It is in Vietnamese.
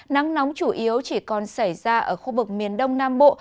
nắng nóng chủ yếu chỉ còn xảy ra ở khu vực miền đông nam bộ